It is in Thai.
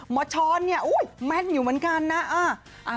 มชร์นเนี่ยโอ้โหแม่นอยู่เหมือนกันน่า